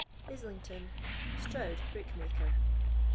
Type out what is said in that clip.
Islington Stroud, Brickmaker.